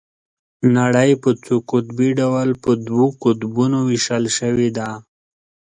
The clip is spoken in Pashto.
نړۍ په څو قطبي ډول په دوو قطبونو ويشل شوې ده.